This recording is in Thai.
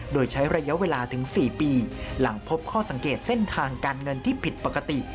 โดยใช้ระยะเวลาถึง๔ปีหลังพบข้อสังเกตเส้นทางการเงินที่ผิดปกติ